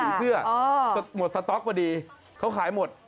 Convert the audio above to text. สีเสื้อสีเสื้ออ๋อหมดสต๊อกประดีเขาขายหมดอ๋อ